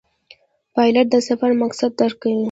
پیلوټ د سفر مقصد درک کوي.